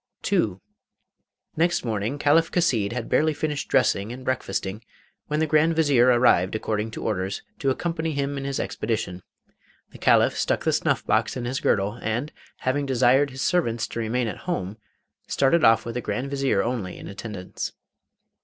II. Next morning Caliph Chasid had barely finished dressing, and breakfasting, when the Grand Vizier arrived, according to orders, to accompany him in his expedition. The Caliph stuck the snuff box in his girdle, and, having desired his servants to remain at home, started off with the Grand Vizier only in attendance.